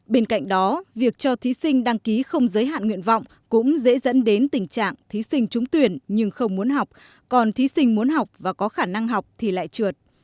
bên cạnh đó việc cho thí sinh đăng ký không giới hạn nguyện vọng cũng dễ dẫn đến tình trạng thí sinh trúng tuyển nhưng không muốn học còn thí sinh muốn học và có khả năng học thì lại trượt